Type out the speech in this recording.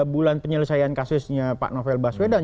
tiga bulan penyelesaian kasusnya pak novel baswedan